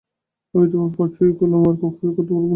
আমি তোমার এই পা ছুঁয়ে বলছি, আর কাউকে বিয়ে করতে পারব না।